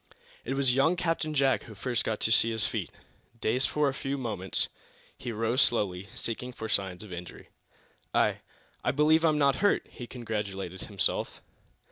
It was young Captain Jack who first got to his feet. Dazed for a few moments, he rose slowly seeking for signs of injury. "I I believe I'm not hurt," he congratulated himself.